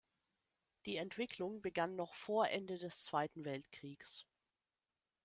Die Entwicklung begann noch vor Ende des Zweiten Weltkriegs.